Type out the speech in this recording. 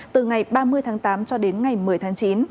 từ ngày ba mươi tháng tám cho đến ngày một mươi tháng chín